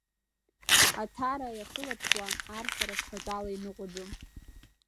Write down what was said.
Аҭара иахылаԥшуа ар сара сҳәатәала иныҟәаӡом.